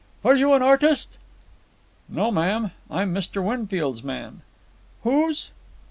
"Are you an artist?" "No, ma'am. I'm Mr. Winfield's man." "Whose?"